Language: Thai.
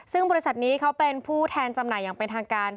ซึ่งบริษัทนี้เขาเป็นผู้แทนจำหน่ายอย่างเป็นทางการ